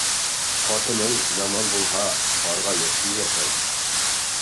Ҡатының яман булһа, һарғайып киберһең.